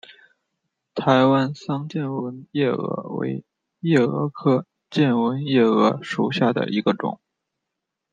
台湾桑剑纹夜蛾为夜蛾科剑纹夜蛾属下的一个种。